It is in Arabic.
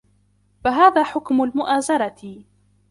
فَهَذَا حُكْمُ الْمُؤَازَرَةِ